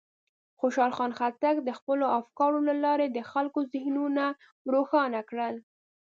خوشحال خان خټک د خپلو افکارو له لارې د خلکو ذهنونه روښانه کړل.